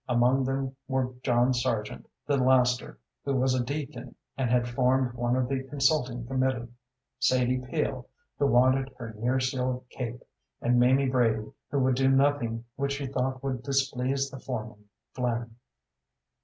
Among them were John Sargent, the laster who was a deacon and had formed one of the consulting committee, Sadie Peel, who wanted her nearseal cape, and Mamie Brady, who would do nothing which she thought would displease the foreman, Flynn.